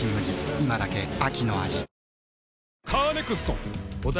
今だけ秋の味